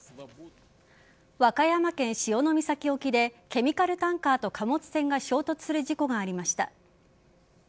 和歌山県潮岬沖でケミカルタンカーと貨物船が衝突する事故がありました。